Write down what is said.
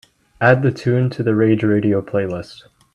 Add the tune to the Rage Radio playlist.